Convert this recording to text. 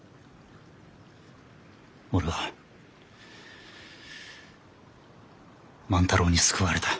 俺は万太郎に救われた。